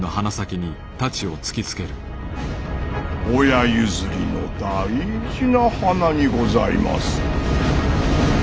親譲りの大事な鼻にございます。